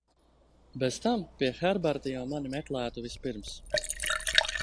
Bez tam pie Herberta jau mani meklētu vispirms.